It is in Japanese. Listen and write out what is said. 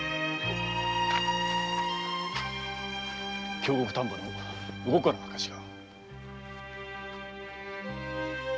京極丹波の動かぬ証拠が。